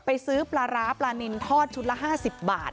ซื้อปลาร้าปลานินทอดชุดละ๕๐บาท